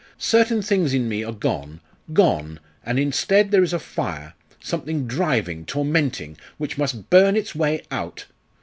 Certain things in me are gone gone and instead there is a fire something driving, tormenting which must burn its way out.